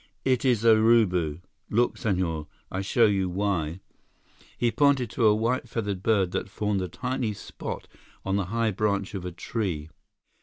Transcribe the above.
"It is Urubu. Look, Senhor. I show you why." He pointed to a white feathered bird that formed a tiny spot on the high branch of a tree.